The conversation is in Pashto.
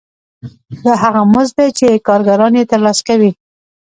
دا هغه مزد دی چې کارګران یې ترلاسه کوي